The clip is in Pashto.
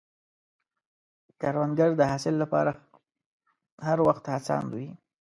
کروندګر د حاصل له پاره هر وخت هڅاند وي